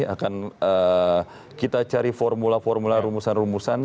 akan kita cari formula formula rumusan rumusan